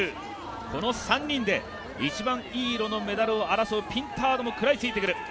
この３人で一番いい色のメダルを争うピンタードも食らいついてくる。